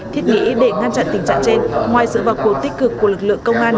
thiết nghĩ để ngăn chặn tình trạng trên ngoài sự vào cuộc tích cực của lực lượng công an